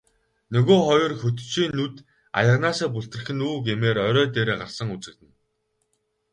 Нөгөө хоёр хөтчийн нүд аяганаасаа бүлтрэх нь үү гэмээр орой дээрээ гарсан үзэгдэнэ.